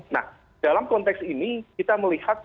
nah dalam konteks ini kita melihat